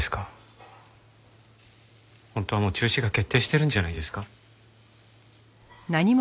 本当はもう中止が決定してるんじゃないですか？